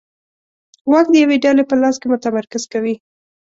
واک د یوې ډلې په لاس کې متمرکز کوي.